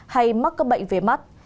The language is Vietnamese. hay mắc các bệnh về mắt